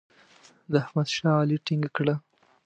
د احمد شا علي ټینګه کړه.